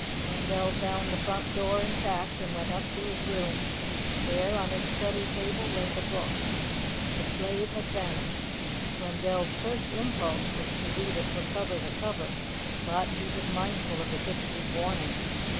Wendell found the front door intact, and went up to his room. There on his study table lay the Book. The slave had vanished. Wendell's first impulse was to read it from cover to cover, but he was mindful of the Pixie's warning.